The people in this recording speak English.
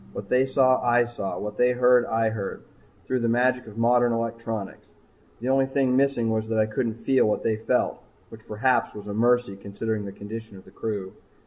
What they saw I saw, what they heard I heard, through the magic of modern electronics. The only thing missing was that I couldn't feel what they felt, which perhaps was a mercy considering the condition of the crew.